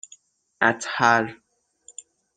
اَطهر